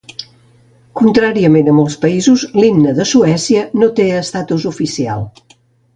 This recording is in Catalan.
Contràriament a molts països, l'himne de Suècia no té estatus oficial.